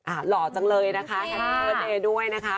อ่าหล่อจังเลยนะคะแคทเตอร์เอิ้นเอด้วยนะคะ